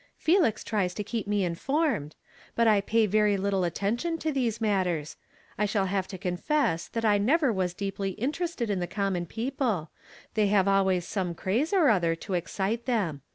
'' Felix tries to keep me informed ; but I pay very little atten tion to these matters. I shall have to confess that I never was deeply interested in the com mon people; they have always some craze or other to excite them.